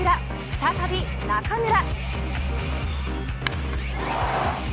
再び中村。